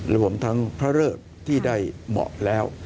รวมทั้งพระเริกที่ได้เหมาะแล้ว